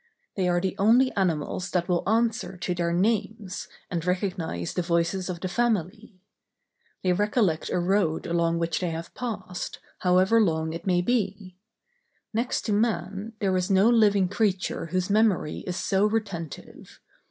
They are the only animals that will answer to their names, and recognize the voices of the family. They recollect a road along which they have passed, however long it may be. Next to man, there is no living creature whose memory is so retentive.